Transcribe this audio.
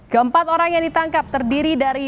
keempat orang yang ditangkap terdiri dari